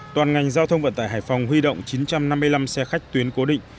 toàn ngành giao thông vận tải hải phòng huy động chín trăm năm mươi năm xe khách tuyến cố định